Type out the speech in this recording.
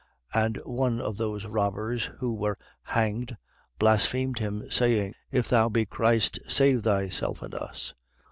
23:39. And one of those robbers who were hanged blasphemed him, saying: If thou be Christ, save thyself and us.